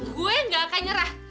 gue gak akan nyerah